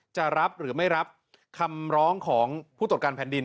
จะรับหรือไม่รับคำร้องของผู้ตรวจการแผ่นดิน